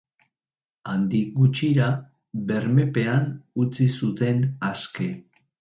Handik gutxira bermepean utzi zuten aske.